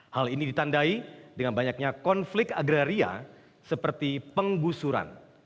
hal ini ditandai dengan banyaknya konflik agraria seperti penggusuran